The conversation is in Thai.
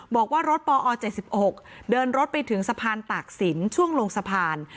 บอกว่ารถปอ๗๖เดินรถไปถึงสะพานตากศิลป์ช่วงลงสะพาน